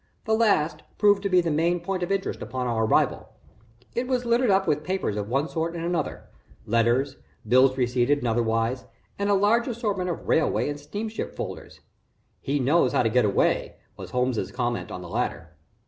The last proved to be the main point of interest upon our arrival. It was littered up with papers of one sort and another: letters, bills receipted and otherwise, and a large assortment of railway and steamship folders. "He knows how to get away," was Holmes's comment on the latter.